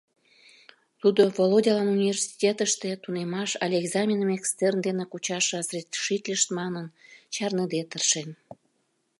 Тудо Володялан университетыште тунемаш але экзаменым экстерн дене кучаш разрешитлышт манын, чарныде тыршен.